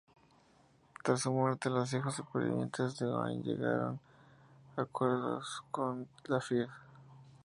Tras su muerte, los hijos supervivientes de Owain llegaron a acuerdos con Dafydd.